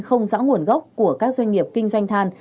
không rõ nguồn gốc của các doanh nghiệp kinh doanh than